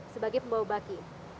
sebagai pembawa baki